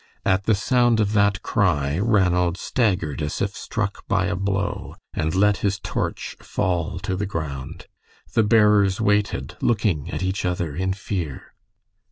At the sound of that cry Ranald staggered as if struck by a blow, and let his torch fall to the ground. The bearers waited, looking at each other in fear.